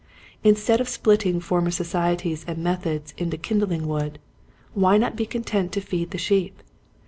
Instead of splitting former societies and methods into kindling wood why not be content to feed the sheep